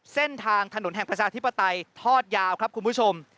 เส้นทางถนนแห่งประชาธิปไตยทอดยาวครับคุณผู้ชม